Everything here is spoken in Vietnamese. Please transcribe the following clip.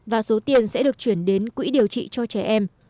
và số tiền sẽ được chuyển đến quỹ điều trị cho trẻ em